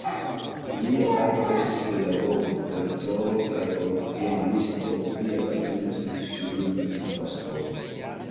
Lia patro estis pedagogo, rektoro kaj orgenisto, lia patrino estis filino de pastoro.